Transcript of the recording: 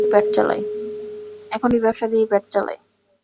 এখন এই ব্যবসা দিয়েই পেট চালাই।